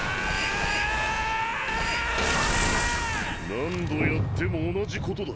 何度やっても同じことだ。